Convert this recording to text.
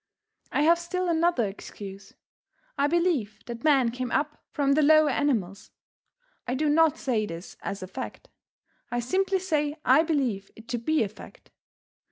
I have still another excuse. I believe that man came up from the lower animals. I do not say this as a fact. I simply say I believe it to be a fact.